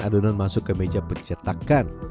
adonan masuk ke meja pencetakan